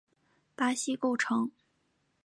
巴西构成。